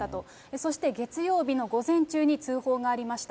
そして月曜日の午前中に通報がありました。